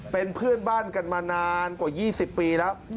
เป็นเพื่อนบ้านกันมานานกว่า๒๐ปีแล้ว